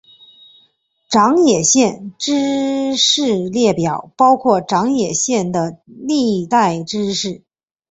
长野县知事列表包括长野县的历代知事。